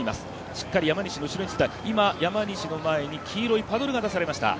しっかり山西の後ろについて、今、山西に黄色いパドルが出されました。